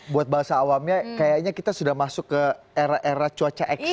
buat bahasa awamnya kayaknya kita sudah masuk ke era era cuaca ekstrim